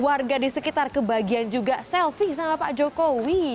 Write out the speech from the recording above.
warga di sekitar kebagian juga selfie sama pak jokowi